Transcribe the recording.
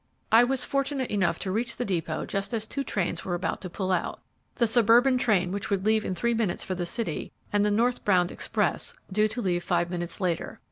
I was fortunate enough to reach the depot just as two trains were about to pull out; the suburban train which would leave in three minutes for the city, and the north bound express, due to leave five minutes later.